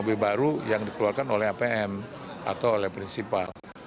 dan mobil baru yang dikeluarkan oleh apm atau oleh prinsipal